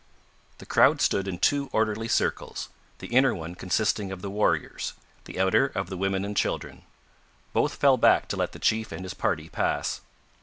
The crowd stood in two orderly circles the inner one consisting of the warriors, the outer of the women and children. Both fell back to let the chief and his party pass.